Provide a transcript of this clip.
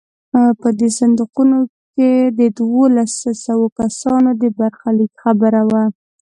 په دې صندوقونو کې د دولس سوه کسانو د برخلیک خبره وه.